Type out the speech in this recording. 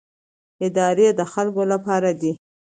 ادارې د خلکو لپاره دي